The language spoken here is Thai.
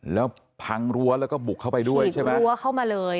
แล้วพังรั้วแล้วก็บุกเข้าไปด้วยใช่ไหมรั้วเข้ามาเลย